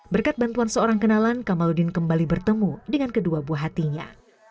berkat bantuan seorang kenalan kamaludin kembali bertemu dengan kedua buah hatinya